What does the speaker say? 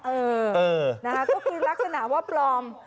เออนะคะก็คือลักษณะว่าปลอม